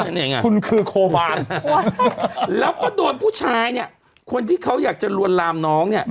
นี่ไงคุณคือโควานแล้วก็โดนผู้ชายเนี่ยคนที่เขาอยากจะลวนลามน้องเนี่ย